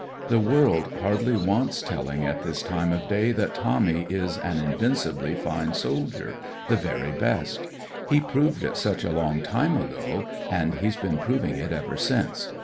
The world hardly wants telling at this time of day that Tommy is an invincibly fine soldier — ^the very best. He proved it such a long time ago, and he's been proving it ever since.